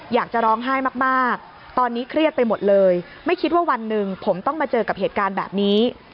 อยากจะร้องไห้มากตอนนี้เครียดไปหมดเลยไม่คิดว่าวันหนึ่งผมต้องมาเจอกับเหตุการณ์แบบนี้